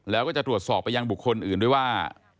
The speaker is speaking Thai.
แล้วก็จะตรวจสอบไปยังบุคคลอื่นด้วยว่า